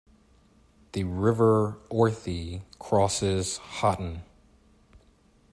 The river Ourthe crosses Hotton.